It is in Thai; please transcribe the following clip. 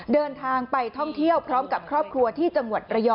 เดินทางไปท่องเที่ยวพร้อมกับครอบครัวที่จังหวัดระยอง